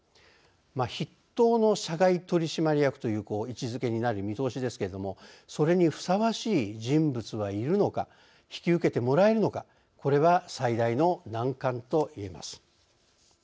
筆頭の社外取締役という位置づけになる見通しですけれどもそれにふさわしい人物はいるのか引き受けてもらえるのかこれは最大の難関といえます。